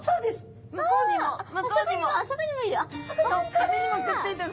壁にもくっついてる。